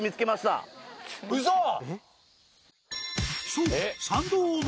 そう。